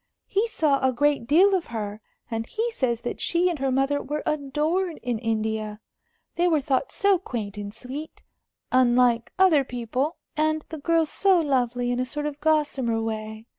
He saw a great deal of her, and he says that she and her mother were adored in India. They were thought so quaint and sweet unlike other people and the girl so lovely, in a sort of gossamer way.